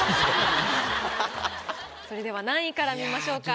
それでは何位から見ましょうか？